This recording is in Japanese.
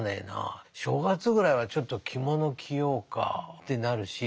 正月ぐらいはちょっと着物着ようかってなるし。